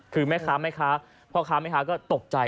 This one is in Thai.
คือแม่คะพอขาวแม่คะก็ตกใจ